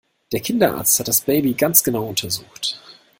Der Kinderarzt hat das Baby ganz genau untersucht.